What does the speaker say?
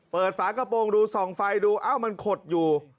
ฝากระโปรงดูส่องไฟดูอ้าวมันขดอยู่